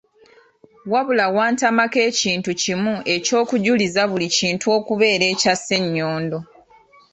Wabula wantamako ekintu kimu eky’okujuliza buli kintu okubeera ekya Ssenyondo.